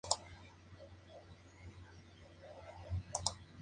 Se utiliza un caballete para sostener el papel perfectamente plano.